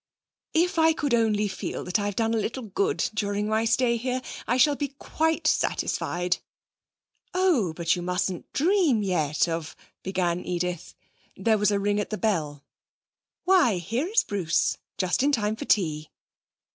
'If I could only feel at all that I've done a little good during my stay here, I shall be quite satisfied.' 'Oh! but you mustn't dream yet of ' began Edith. There was a ring at the bell. 'Why, here is Bruce, just in time for tea.'